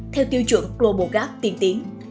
theo tiêu chuẩn global gap tiên tiến